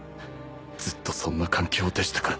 ずっとそんな環境でしたから